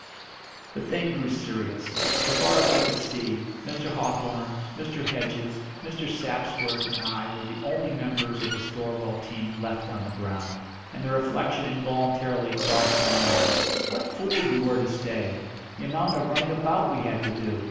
The thing grew serious. So far as I could see, Mr. Hawthorn, Mr. Hedges, Mr. Sapsworth, and I were the only members of the Storwell team left on the ground. And the reflection involuntarily crossed my mind what fools we were to stay! The amount of running about we had to do!